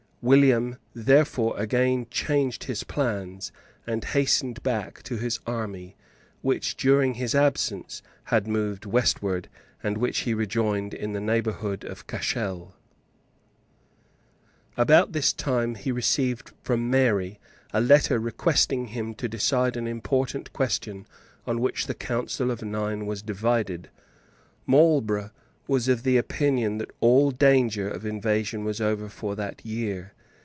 William therefore again changed his plans, and hastened back to his army, which, during his absence, had moved westward, and which he rejoined in the neighbourhood of Cashel, About this time he received from Mary a letter requesting him to decide an important question on which the Council of Nine was divided. Marlborough was of opinion that all danger of invasion was over for that year.